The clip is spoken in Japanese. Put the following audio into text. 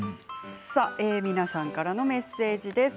皆さんからのメッセージです。